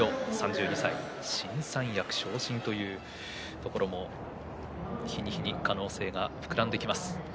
３２歳で新三役昇進というところも日に日に可能性が膨らんできます。